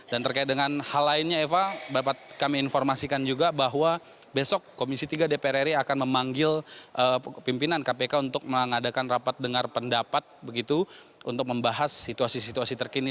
dan terkait dengan hal lainnya eva dapat kami informasikan juga bahwa besok komisi tiga dpr ri akan memanggil pimpinan kpk untuk mengadakan rapat dengar pendapat begitu untuk membahas situasi situasi terkini